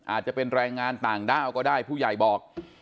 อาจจะเป็นแรงงานต่างด้าวก็ได้ผู้ใหญ่บอก